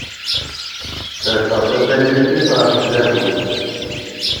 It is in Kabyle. Sserseɣ tabalizt-is ɣef tdabut.